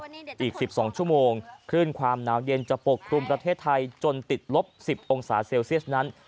อีก๑๒ชั่วโมงคลื่นความหนาวเย็นจะปกครุมประเทศไทยจนติดลบ๑๐องศาเซลเซียสนั้น